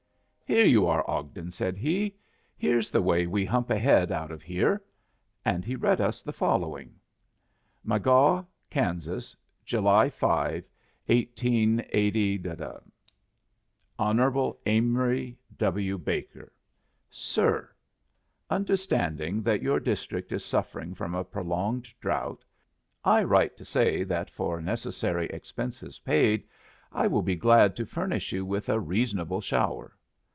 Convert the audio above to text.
"Here you are, Ogden," said he. "Here's the way we hump ahead out here." And he read us the following: "MAGAW, KANSAS, July 5, 188 "Hon. Amory W. Baker: "Sir, Understanding that your district is suffering from a prolonged drought, I write to say that for necessary expenses paid I will be glad to furnish you with a reasonably shower.